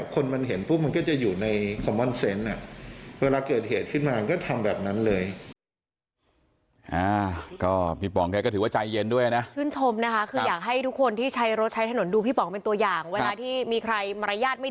เครื่องของสายกันอะไรอย่างเงี้ยครับ